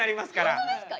本当ですか？